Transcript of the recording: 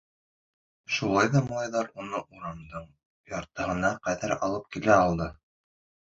Шулай ҙа малайҙар уны урамдың яртыһына ҡәҙәр алып килә алды.